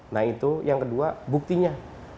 nah itu yang kedua buktinya